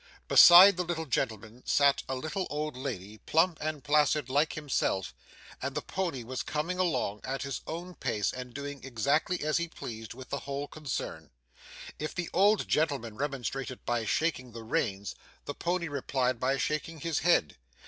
Beside the little old gentleman sat a little old lady, plump and placid like himself, and the pony was coming along at his own pace and doing exactly as he pleased with the whole concern. If the old gentleman remonstrated by shaking the reins, the pony replied by shaking his head.